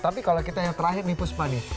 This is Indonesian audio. tapi kalau kita yang terakhir nih puspa nih